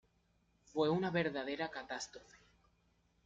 Fue una verdadera catástrofe.